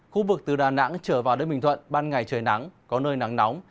khu vực từ đà nẵng trở vào đến bình thuận ban ngày trời nắng có nơi nắng nóng